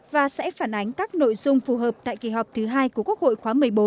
và sẽ phản ánh các nội dung phù hợp tại kỳ họp thứ hai của quốc hội khóa một mươi bốn